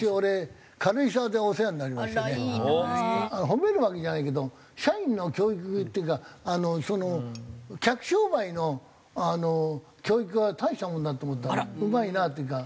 褒めるわけじゃないけど社員の教育っていうか客商売の教育は大したもんだと思ったねうまいなっていうか。